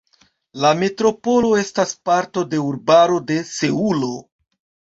La metropolo estas parto de urbaro de Seulo.